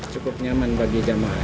cukup nyaman bagi jemaah